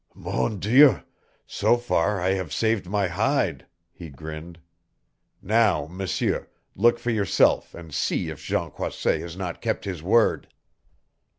"Mon Dieu, so far I have saved my hide," he grinned. "Now, M'seur, look for yourself and see if Jean Croisset has not kept his word!"